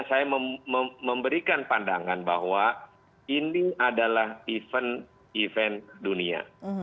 saya memberikan pandangan bahwa ini adalah event event dunia